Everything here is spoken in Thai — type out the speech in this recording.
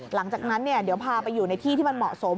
หลังจากนั้นเดี๋ยวพาไปอยู่ในที่ที่มันเหมาะสม